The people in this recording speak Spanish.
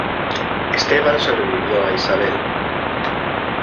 Esteban sobrevivió a Isabel.